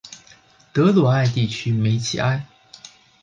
德鲁艾地区梅齐埃。